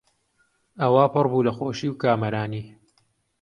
ئەوا پڕ بوو لە خۆشی و کامەرانی